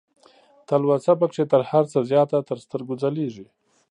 تلوسه پکې تر هر څه زياته تر سترګو ځلېږي